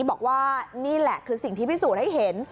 บอกว่านี่แหละคือสิ่งที่พิสูจน์ให้เห็น